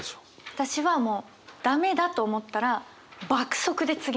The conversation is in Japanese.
私はもう駄目だと思ったら爆速で次にいきます。